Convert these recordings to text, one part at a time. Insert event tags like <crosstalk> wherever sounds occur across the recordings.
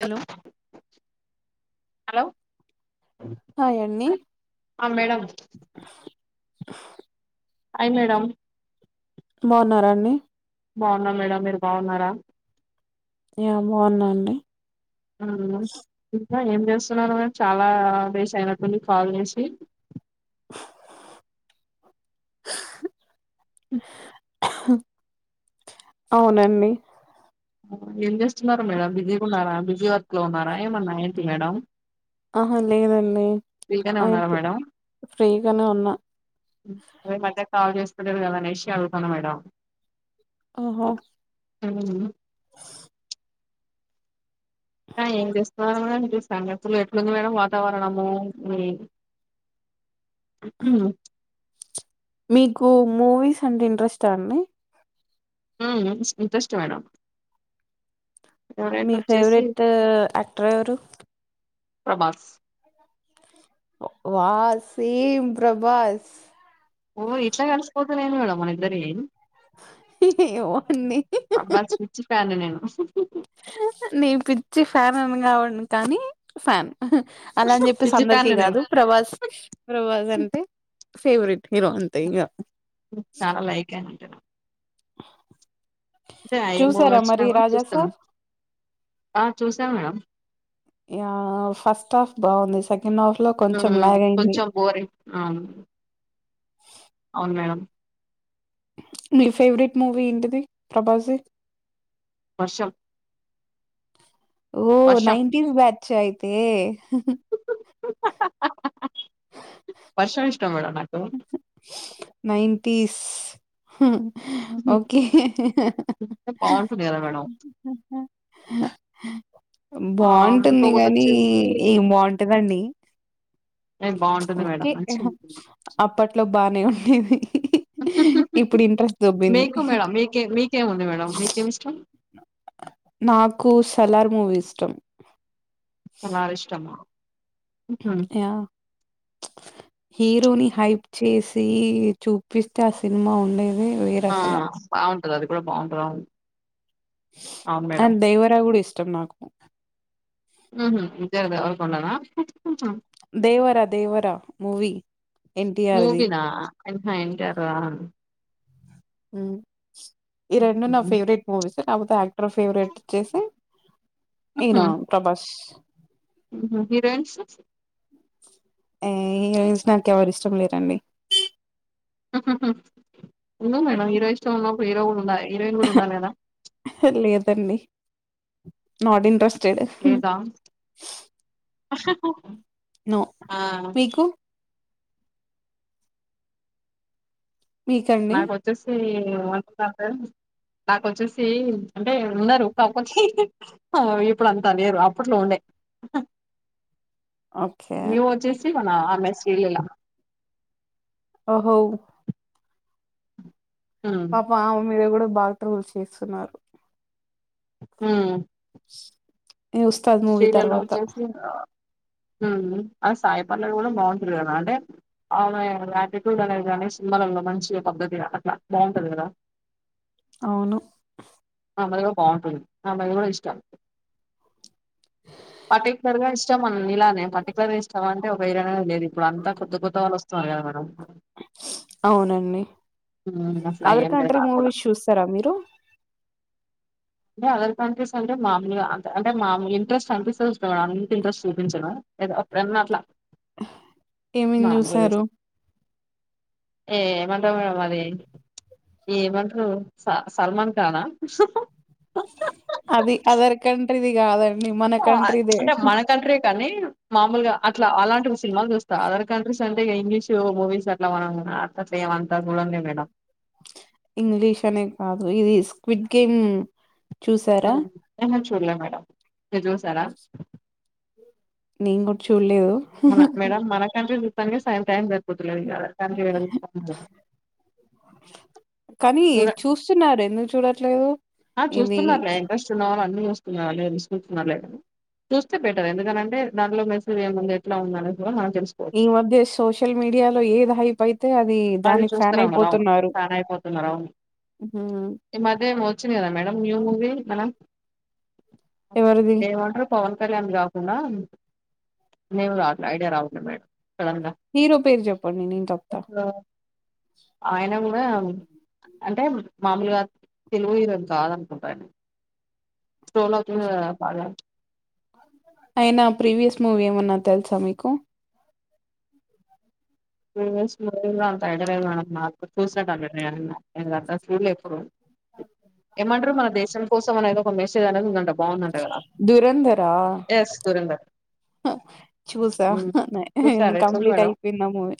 Hello hello hi అండి ఆ madam hi madam బాగున్నారాండి బాగున్నా మేడం మీరు బాగున్నారా ఏ బాగున్నాండి అవునా ఏం చేస్తున్నరు మేడం చాలా డేస్ అయినట్టుడి కాల్ చేసి ఉ అవునండి ఏం చేస్తున్నారు మేడం బిజీగా ఉన్నారా బిజీ వర్క్ లో ఉన్నారా ఏమన్నా ఏంటి మేడం ఆహా లేదండి ఫ్రీగానే ఉన్నారా అయితే మేడం ఫ్రీగానే ఉన్నా అదే ఈ మధ్య కాల్ చేసుకుంటరు కదా అనేసి అడుగుతాను మేడం ఆహా అవునా ఆ ఏం చేస్తున్నారు మేడం ఇ సంగతులు ఎట్లుంది మేడం వాతావరణము ఉఊ మీకు మూవీస్ అంటే ఇంట్రెస్ట్ ఆ అండి ఉ ఇంట్రెస్ట్ మేడం ఫేవరెట్ మీ వచ్చేసి ఫేవరెట్ యాక్టర్ ఎవరు ప్రభాస్ వావ్ సేమ్ ప్రభాస్ ఓ ఇట్లా కలిసిపోతున్న మేడం ఇద్దరి ఏమోండి ప్రభాస్ పిచ్చి ఫ్యాను నిను నీను పిచ్చి ఫ్యాన్ అని కావచ్చు కానీ ఫ్యాన్ అలా అని చెప్పేసి అందరికిీ పిచ్చిదాన్ని నేను కాదు ప్రభాస్ ప్రభాస్ అంటే ఫేవరెట్ హీరో అంతే ఇగ మ్ చాలా లైక్ అంటున్నవ్ అంటే ఏ మూవీ చూసారా వచ్చినా మరి కూడా రాజా చూస్తాను సాబ్. ఆ చూసాను మేడం యా ఫస్ట్ హఫ్ బాగుంది. సెక సకండ్ హఫ్లో కొంచెం హ్మ్. ల్యాగయింది. కొంచెం బోరింగ్ అవును అవును మేడం. మీ ఫేవరెట్ మూవీ ఏంటిది ప్రభాస్ది. వర్షం. ఓ వర్షం నైన్టీన్ బ్యాచ్చా అయితే వర్షం ఇష్టం మేడం నాకు నైన్ంటీస్ ఓకే. బాగుంటుంది కదా మేడం ఆ బాగుంటుంది ఇంకొకటి కానీ వచ్చేసి ఏం బాగుంటదండి. బాగుంటుంది మేడం ఓకే. మంచి అప్పట్లో బానే ఉండేది. ఇప్పుడింట్రెస్ట్ దొబ్బింది. మీకు మేడం మీకే మీకేముంది మేడం మీకేమి ఇష్టం నాకు సలార్ మూవీ ఇష్టం. సలారిష్టమా మ్ హు యాహ్! హీరోని హైప్ చేసి చూపిస్తే ఆ సినిమా ఉండేది. ఆ బాగుంటది అది కూడా బాగుంటదాండి. అండ్ దేవరా కూడా ఇష్టం నాకు మ్ హు విజయ్ దేవరకొండన దేవర దేవర మూవీ ఎన్టీఆర్‌ది. మూవిన అహా ఎన్ టీ ఆర్దా మ్ ఈ రెండు నా హుహు. ఫేవరెట్ మూవీస్ లేకపోతే యాక్టర్ ఫేవరెట్ వచ్చసి ఈయన ప్రభాస్. మ్ హు హిరోయిన్స్. ఏయ్ హీరోయిన్స్ నాకేవ్వరిష్టం లేరండి. ఉండు మేడం హీరో ఇష్టమున్నప్పుడు హీరో కుడుండాలే హీరోయిన్ కూడా ఉండాలి కదా లేదండి. Not interested. హా హ నో మీకు మీకండి? నాకోచ్చేసి మొన్న దాకా నాకోచ్చేసి అంటే ఉన్నారు కాక్పోతే ఇప్పుడంత లేరు అప్పుట్లో ఉండే స ఓకే చెప్పనా ఆమె శ్రీ లీలా ఓహో హ్మ్. పాపం ఆమె మీద కూడ బాగా ట్రోల్ల్స్ చేస్తున్నారు. మ్మ్ ఈ ఉస్తాద్ మూవీ తర్వాత అవునా. ఆ సాయిపల్లవి కూడా బాగుంటుంది కదా అంటే ఆమె ఆటిట్యూడ్ అనేది కానీ సినిమాలలో మంచిగా పద్ధతిగా అట్ల బాగుంటది కదా అవును. ఆమెది కూడా బాగుంటుంది. ఆమెది కూడ ఇష్టం. పర్టికులర్గా ఇష్టమని నీలానే పర్టికులర్గా ఇష్టం అంటే ఒక వేర్ లేదు ఇప్పుడంతా కొత్త కొత్త వాళ్ళోస్తున్నారు కదా మేడం అవునండి. మ్మ్ అట్లా అదర్ ఏం లేదు కంట్రీ నాకు కూడా మూవీస్ చూస్తారా మీరు అంటే అదర్ కంట్రీస్ అంటే మామూలుగా అంట్ అంటే మాములు ఇంట్రెస్ట్ అనిపిస్తే చూస్తా మేడం అంత ఇంట్రెస్ట్ చూపించను. ఏదో అప్పుడాన్నట్లా ఏమేం చూసారు ఏమంటాం మేడం అది ఏమంట్రు స సల్మాన్ ఖాన్ అన అది అదర్ కాంట్రిది కద అంటే మనకంట్రే కానీ మామూలుగా అట్లా అలాంటి సినిమాలు చూ స్తా అదర్ కంట్రీస్ అంటే ఇక ఇంగ్లీషు మూవీస్ అట్లా మనం అట్లట్ల ఏం అంతా చూడంలే మేడం ఇంగ్లీష్ అనే కాదు ఇది స్క్విడ్ గేమ్ చూసారా హ్మ్ నేను చూడ్లే మేడం మీరు చూశారా నేను కూడా చూడలేదు మన మేడం మన కంట్రీవే చూడ్డానికే సగం టైం సరిపోతుం పిల్లలకి యాడ కంట్రీ వే <unintelligible> కానీ చూస్తున్నారు ఎందుకు చూడా ఆ చూస్తున్నారులే ఇంట్రెస్ట్ ఉన్న వాళ్ళు అని చూస్తున్నారు నేను చూస్తున్నలేను చూస్తే బెటర్ ఎందుకనంటే దాంట్లో మెసేజ్ ఏముంది ఎట్లా ఉంది అనేది కూడా మన ఈ మధ్య సోషల్ మీడియాలో ఏది హైప్ అయితే అది దానికి ఫ్యాన్ అయిపోతున్నారు పోతున్నారు అవును హ్మ్ చ్చింది కదా మేడం న్యూ మూవీ మన ఎవరిది ఏమంటారు పవన్ కళ్యాణ్ కాకుండా నేమ్ రావట్ల ఐడియా రావట్ల మేడం సడన్‌గా హీరో పేరు చెప్పండి నేను చెప్తా అసలు ఆయన కూ అంటే మామూలుగా తెలుగు హీరో కాదనుకుంటా ఆయన టోన్ అవుతుంది కదా పాడ్ల అయనా ప్రీవియస్ మూవీ ఏమన్నా తెలుసా మీకు ప్రీవియస్ మూవీ ఇంగ అంత ఐడియా లేదు మేడం నాకు చూస్తే కదా నేను అన్న ఎందుకంటే చూడ్లే ఎప్పుడు ఏమంటారు మన దేశం కోసం అనేది ఒక మెసేజ్ అనేది ఉందంట బాగుందంట కదా ఎస్ దురంధర్ ఆ చూసా ఉమ్ నే చూసారా ఎట్లుంది కంప్లీట్ మేడం అయిపోయింది అ మవీ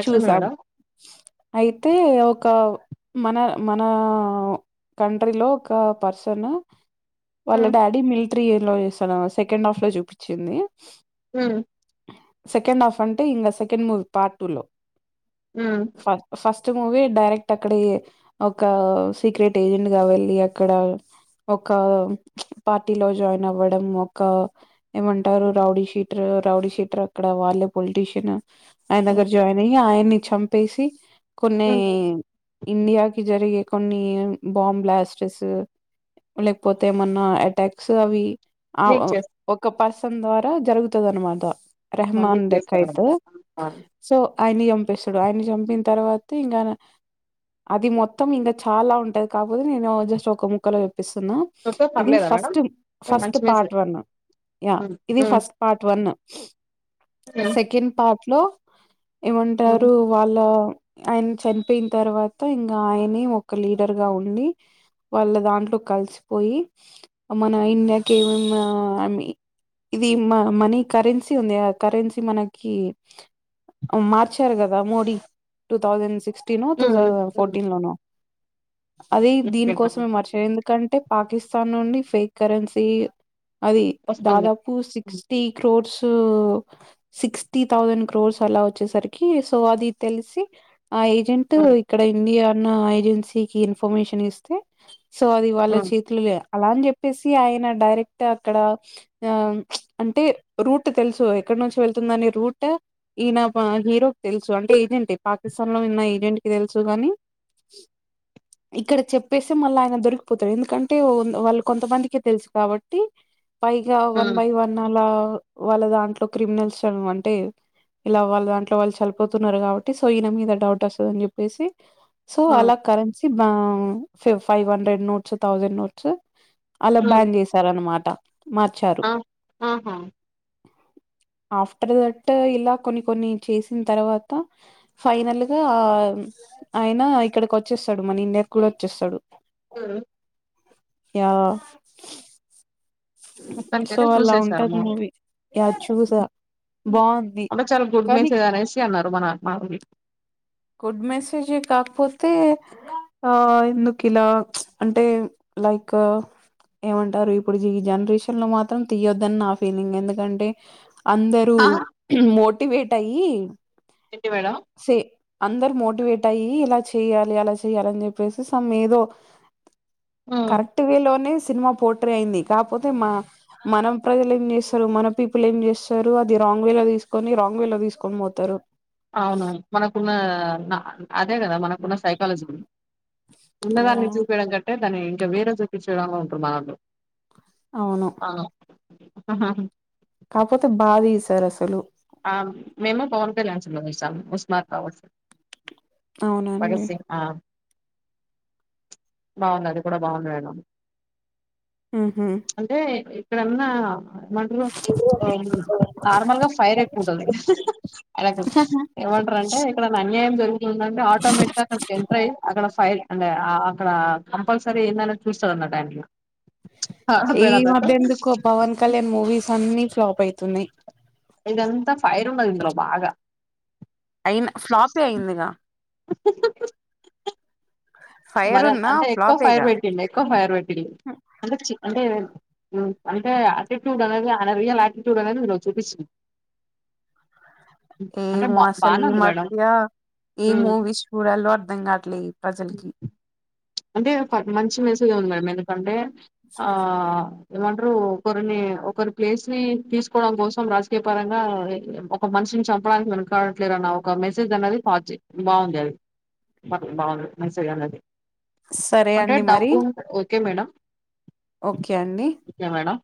ఎట్లుంది చూసాం మేడం అయితే ఒక మన మన కంట్రీలో ఒక పర్సన్ వాళ్ళ ఉమ్ డాడీ మిల్ట్రీ ఇయర్‌లో చేస్తాడు సెకండ్ హాఫ్‌లో చూపిచింది హ్మ్ సెకండ్ హఫ్ అంటే ఇంగ సెకండ్ మూ పార్ట్ టూలో ఉమ్ ఫ ఫస్ స్ట్ మూవీ డైరెక్ట్ అక్కడ ఒక సీక్రెట్ ఏజెంట్ గా వెళ్ళి అక్కడ ఒక పార్టీలో జాయిన్ అవ్వడం ఒక ఏమంటారు రౌడీ షీటర్ రౌడీ షీటర్ అక్కడ వాళ్ళే పొలిటీషియన్ ఆయన దగ్గర జాయిన్ అయ్యి ఆయన్ని చంపేసి కొన్ని ఉమ్ ఇండియాకి జరిగే కొన్ని బాంబ్ బ్లాస్టర్స్ లేకపోతే ఏమన్నా అటాక్స్ అవి ఆ లీక్ ఒ చేస్ ఒక్క పర్సన్ ద్వారా జరుగుతాది అన్నమాట ఆహా! రెహమాన్ లీక్ డేకాయత్ చేస్తారనమాట ఆ! సో ఆయన్ని చంపేస్తాడు ఆయన చంపిన తర్వాత ఇంగా అది మొత్తం ఇంగ చాలా ఉంటది కాక్పోతే నేను జస్ట్ ఒక ముక్కలో చే ప్పేస్తున్నా చూస్తే ఇది పర్లేదా మేడం ఫస్ట్ ఫస్ట్ మంచి part message one yeah um ఇది um first part one um second part లో ఉమ్ ఏమంటారు వాళ్ళ ఆయన చనిపోయిన తర్వాత ఇంగ ఆయనే ఒక లీడర్‌ గా ఉండి వాళ్ళ దాంట్లో కలిసిపోయి మన ఇండియాకి ఏమేమి ఇది మ మనీ కరెన్సీ ఉంది ఆ కరెన్సీ మనకి మార్చారు కదా మోడీ టూ థౌజండ్ సిక్స్టీనో two um thousand um fourteen లోనో అది ఉమ్ దీనికోసమే మార్చాడు ఎందుకంటే పాకిస్తాన్ నుండి ఫేక్ కరెన్సీ అది వస్తుంది దాదాపు um sixty క్రోట్స్ so sixty thousand crores అలా వచ్చేసరికి సో అది తెలిసి ఆ ఏజెంట్ ఉమ్ ఇక్కడ ఇండియా అన్న ఏజెన్సీకి ఇన్ఫర్మేషన్ ఇస్తే సో అది వాళ్ళ ఉమ్ చేతులు అలా అని చెప్పేసి ఆయన డైరెక్ట్ అక్కడ ఆ అంటే రూట్ తెలుసు ఎక్కడి నుంచి వెళ్తుందని రూట్ ఈయన హీరో తెలుసు అంటే ఏజెంటె పాకిస్తాన్ లో విన్న ఏజెంట్ కి తెలుసు గాని ఇక్కడ చెప్పేస్తే మళ్ళీ ఆయన దొరికిపోతాడు ఎందుకంటే వాళ్ళు కొంతమందికే తెలుసు కాబట్టి పైగా వన్ ఉమ్ బై వన్ అలా వాళ్ళ దాంట్లో క్రిమినల్స్ అంటే ఇలా వాళ్ళు దాంట్లో వాళ్ళు చనిపోతున్నారు కాబట్టి సో ఈయన మీద డౌట్ వస్తుందని చెప్పేసి సో అలా కరెన్సీ వ five hundred notes thousand notes అలా ఉమ్ బ్యాన్ చేసారనమాట ఆ ఆహా ఆఫ్టర్ దట్ ఇలా కొన్ని కొన్ని చేసిన తర్వాత ఫైనల్గా ఆ ఆయన ఇక్కడకి వచ్చేస్తాడు మన ఇండియాకి కూడా వచ్చేస్తాడు ఉ యా సో ఇప్పనికైతే అలా చూసేసారు ఉంటది మోరు మూవీ యా చూసా బాగుంది అంటే చాలా గుడ్ కానీ మేస్జ్ అనేసి అన్నారు మన మాల గుడ్ మెసేజ్ కాకపోతే ఆ ఎందుకు ఇలా అంటే లైక్ ఏమంటారు ఇప్పుడు ఈ జనరేషన్ లో మాత్రం తీయొద్దని నా ఫీలింగ్ ఎందుకంటే అందరూ ఆహా! మోటివేట్ అయ్యి ఎంటి మేడం సే అందరు మోటివేట్ అయ్యి ఇలా చేయ్యాలి అలా చేయాలని చెప్పేసి సమ్ ఏదో ఉమ్ కరెక్ట్ వే లోనే సినిమా పోట్రే అయింది కాకాపోతే మ మనం ప్రజలు ఏం చేస్తారు మన పీపుల్ ఏం చేస్తారు అది రాంగ్ వే లో తీసుకొని రాంగ్ వే లో తీసుకొని పోతారు అవునవును మనకున్న అదే కదా మన ఉన్న సైకాలజీ కి యా ఉన్నదాన్ని చూపయడం కంటే దాన్ని ఇంకా వేరే చూపి <unintelligible> ఉంటారు మనోళ్లు అవును <inaudible> కాకపోతే బాగా తీసారు అసలు ఆ మేము ఫవన్ కళ్యాణ్ సినిమా చూసాం ఉస్మాద్ భగత్ అవునండి సింగ్ ఆ బాగుంది అది కూడా బాగుంది మేడం ఉహు అంటే ఇక్కడన్నా మంటలో నార్మల్గా ఫైర్ ఎక్కువ ఉంటది అలా ఏమంటారు అంటే ఇక్కడ అన్యాయం జరుగుతుందంటే ఆటోమేటిక్ గా అక్కడ ఎంటర్ అయ్యి అక్కడ ఫైర్ అంటే ఆ అక్కడ కంపల్సరీ ఏందనే చూస్తాడు అన్నట్లూ ఆయన ఈ మధ్య ఎందుకో పవన్ కళ్యాణ్ మూవీస్ అన్ని ఫ్లాప్ అయితున్నాయి ఇదంతా ఫైర్ ఉండదు ఇందులో బాగా అయిన ఫ్లాప్ అయిందిగా ఫైర్ మరి ఉన్నా అంటే ఎక్కువ ఫైర్ ఫ్లాపేగా పెట్టిండు ఎక్కువ ఫైర్ పెట్టిండు అంటే చి చి అంటే అంటే ఆటిట్యూడ్ అనేది అయాన రీయల్ ఆటిట్యూడ్ అనేది చూపించు ఏం బా అసలు బానే ఈ ఉంది మేడం మధ్య ఏ మూవీస్ చుడాలో అర్ధం కావట్లే ఈ ప్రజలకి అంటే మంచి మెసేజ్ వుంది మేడమ్ ఎందుకంటే ఆ ఏమంటారు కొరిన్ని ఒకరి ప్లేస్ ని తీసుకోవడం కోసం రాజకీయ పరంగా ఒక మనిషిని చంపడానికి మ కాట్లేదు ద్గర నా ఒక మెసేజ్ అన్నది పాస్ చెయ్ బాగుంది అది బాగుంది మెసేజ్ అన్నది సరే అంటే అండి మరి డబ్బు ఉంట ఓకే మేడం ఓకే అండి మేడం